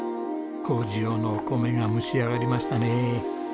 糀用のお米が蒸し上がりましたね。